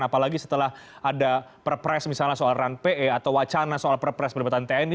apalagi setelah ada perpres misalnya soal ranpe atau wacana soal perpres perlibatan tni